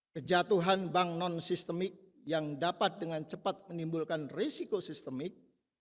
kejatuhan bank non sistemik yang dapat dengan cepat menimbulkan resiko sistemik